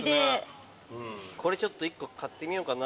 これちょっと１個買ってみようかな。